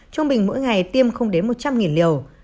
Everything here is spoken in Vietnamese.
trung bình mỗi ngày tiêm không đến một trăm linh liều